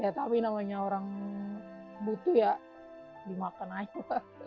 ya tapi namanya orang butuh ya dimakan aja